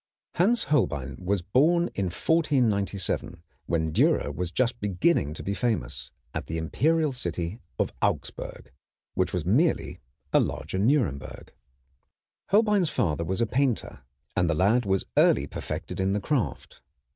Hans Holbein was born in 1497, when Dürer was just beginning to be famous, at the imperial city of Augsburg, which was merely a larger Nuremberg. Holbein's father was a painter, and the lad was early perfected in the craft.